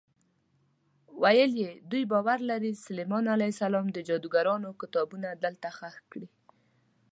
ویل یې دوی باور لري سلیمان علیه السلام د جادوګرانو کتابونه دلته ښخ کړي.